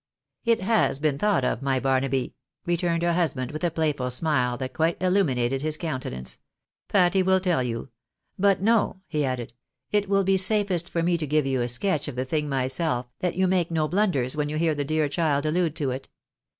" It has been thought of, my Barnaby," returned her husband, with a playful smile that quite illuminated his countenance. " Patty will tell you ; but no," he added, " it will be safest for me to give you a sketch of the thing myself, that you may make no blunders when you hear the dear child allude to it.